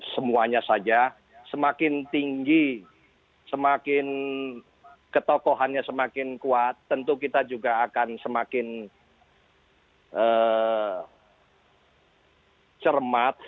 semuanya saja semakin tinggi semakin ketokohannya semakin kuat tentu kita juga akan semakin cermat